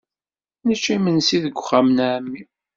Nečča imensi deg uxxam n ɛemmi.